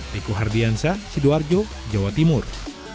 riku hardiansa sidoarjo jawa timur